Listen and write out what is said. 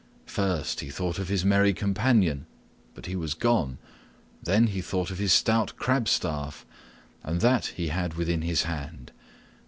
First he thought of his merry companion, but he was gone. Then he thought of his stout crabstaff, and that he had within his hand.